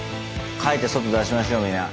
書いて外出しましょうみんな。